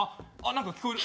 何か聞こえる？